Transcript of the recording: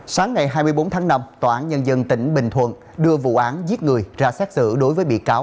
sáng ngày hai mươi bốn tháng năm tòa án nhân dân tỉnh bình thuận đưa vụ án giết người ra xét xử đối với bị cáo